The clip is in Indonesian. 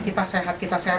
kita sehat kita sehat